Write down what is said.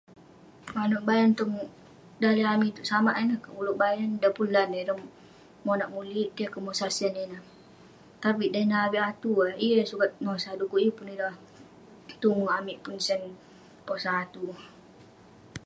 Penganouk bayan tong daleh amik itouk samak ineh kerk, ulouk bayan..dan pun lan neh ireh monak mulik..keh kerk mosah sen ineh..tapik dan neh avik atu eh, yeng sukat penosah, dukuk yeng pun ireh tumu amik pun sen posah atu.